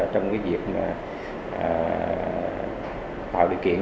trong việc tạo điều kiện